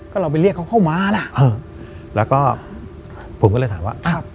ก็เราไปเรียกเขาเข้ามานะเออแล้วก็ผมก็เลยถามว่าครับ